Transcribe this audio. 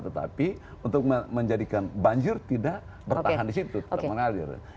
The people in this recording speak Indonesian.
tetapi untuk menjadikan banjir tidak bertahan di situ tidak mengalir